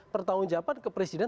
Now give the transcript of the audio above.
pertanggung jawaban ke presiden